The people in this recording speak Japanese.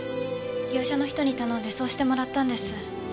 業者の人に頼んでそうしてもらったんです。